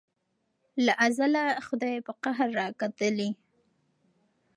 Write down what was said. له ازله خدای په قهر را کتلي